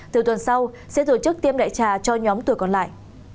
từ tuần sau sẽ tổ chức tiêm đại trà cho nhóm tuổi còn lại